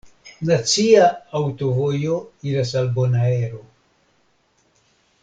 Nacia aŭtovojo iras al Bonaero.